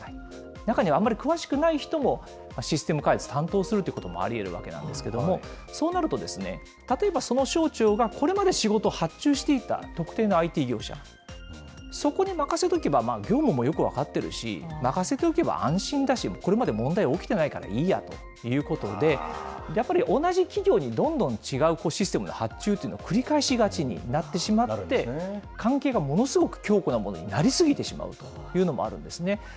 中にはあんまり詳しくない人もシステム開発、担当するということもありえるわけなんですけれども、そうなると、例えば、その省庁がこれまで仕事を発注していた、特定のＩＴ業者、そこに任せておけば業務をよく分かっているし、任せておけば安心だし、これまで問題は起きてないからいいやということで、やっぱり同じ企業にどんどん違うシステムの発注というのを繰り返しがちになってしまって、関係がものすごく強固なものになり過ぎてしまうというのもあるんですね。